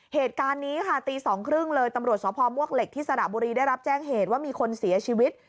เหตุการณ์นี้ค่ะตี๒๓๐เลยตำรวจสพมวกเหล็กที่สระบุรีได้รับแจ้งเหตุว่ามีคนเสียชีวิต